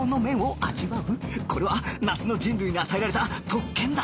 これは夏の人類に与えられた特権だ